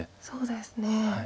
そうですね。